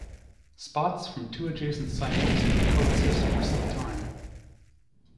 Spots from two adjacent cycles can co-exist for some time.